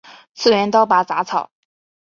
次元刀拔杂草